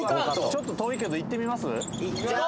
ちょっと遠いけど行ってみます？